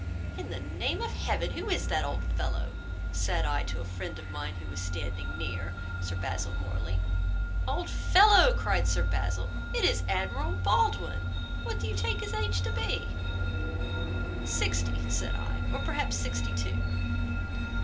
'In the name of heaven, who is that old fellow?' said I to a friend of mine who was standing near, (Sir Basil Morley). 'Old fellow!' cried Sir Basil, 'it is Admiral Baldwin. What do you take his age to be?' 'Sixty,' said I, 'or perhaps sixty two.